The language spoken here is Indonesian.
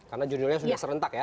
karena jurnalnya sudah serentak ya